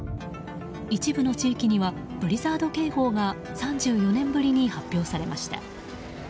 一部の地域にはブリザード警報が３４年ぶりに発表されました。